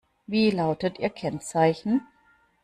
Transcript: Wie lautet ihr Kennzeichen?